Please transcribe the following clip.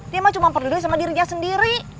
dia mah cuma peduli sama dirinya sendiri